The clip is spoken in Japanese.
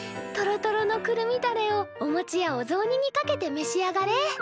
とろとろのくるみだれをおもちやおぞうににかけてめしあがれ。